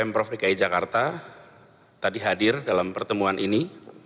pemprov dki jakarta tadi hadir dalam pertemuan ini